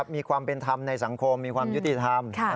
มีความเป็นธรรมในสังคมมีความยุติธรรม